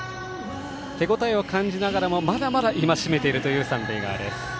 手応えを感じながらもまだまだ戒めているという三塁側です。